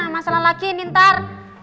masalah laki laki ntar